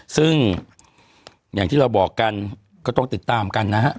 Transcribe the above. ซึ่งอย่างที่เราบอกกันก็ต้องติดตามกันนะฮะ